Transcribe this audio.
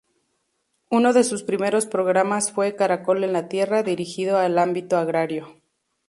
Uno de sus primeros programas fue "Caracol en la tierra", dirigido al ámbito agrario.